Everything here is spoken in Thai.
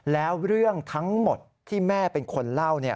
แล้วเรื่องทั้งหมดที่แม่เป็นคนเล่า